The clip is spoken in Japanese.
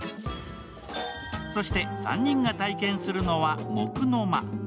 そして、３人が体験するのは、もくのま。